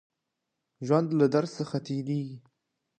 ژوندي له درد څخه تېرېږي